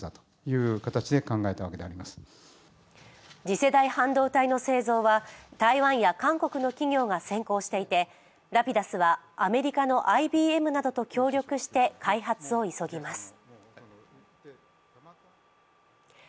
次世代半導体の製造は台湾や韓国の企業が先行していてＲａｐｉｄｕｓはアメリカのＩＢＭなどと協力して開発を急ぎます。